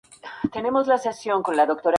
Richards, "A Beautiful End".